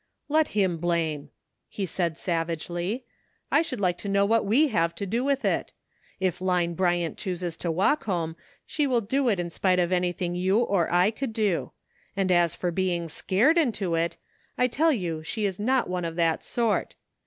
" Let him blame," he said savagely, " I should like to know what we have to do with it? If Line Bryant chooses to walk home she will do it in spite of anything you or I could do ; and as for being scared into it, I tell you she is not one of that sort.